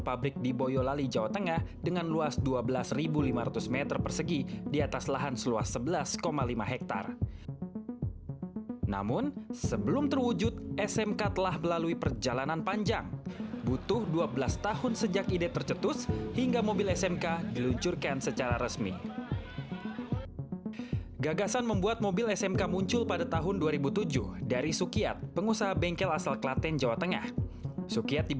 saya alisa hanum pamit undur diri jangan pernah berhenti untuk berinovasi